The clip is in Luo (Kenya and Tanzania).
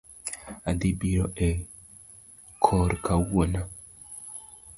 Adhi biro e kor kawuono